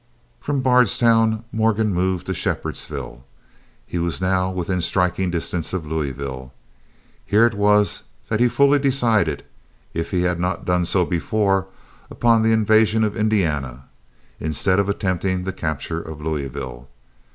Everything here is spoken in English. From Bardstown Morgan moved to Shepherdsville. He was now within striking distance of Louisville. Here it was that he fully decided, if he had not done so before, upon the invasion of Indiana, instead of attempting the capture of Louisville.